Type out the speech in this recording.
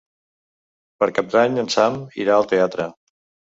Per Cap d'Any en Sam irà al teatre.